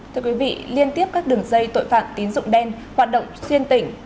thưa quý vị liên tiếp các đường dây tội phạm tín dụng đen hoạt động xuyên tỉnh